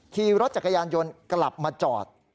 ขี่รถจักรยานยนต์กลับมาจอด